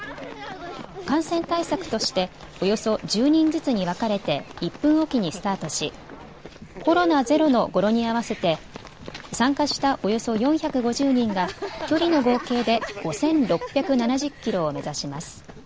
感染対策としておよそ１０人ずつに分かれて１分置きにスタートし、コロナゼロの語呂に合わせて参加したおよそ４５０人が距離の合計で５６７０キロを目指します。